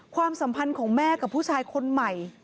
ความสัมพันธ์ของแม่กับผู้ชายคนใหม่